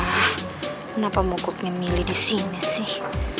kenapa mokoknya milly di sini sih